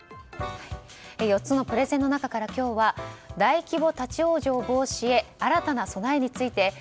４つのプレゼンの中から今日は大規模立ち往生防止へ新たな備えについてＮＳＴ